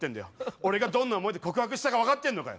俺がどんな思いで告白したか分かってんのかよ。